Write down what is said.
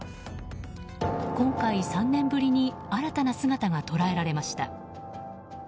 今回３年ぶりに新たな姿が捉えられました。